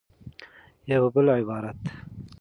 یا په بل عبارت